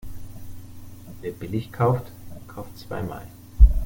Wer billig kauft, kauft zweimal.